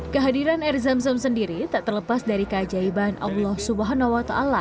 kehadiran air zam zam sendiri tak terlepas dari keajaiban allah swt